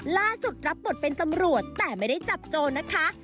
ล่าสุดรับบทเป็นตำรวจแต่ไม่ได้จับโจรนะคะ